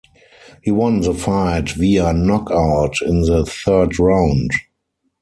He won the fight via knockout in the third round.